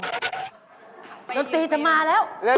จะมาแล้ว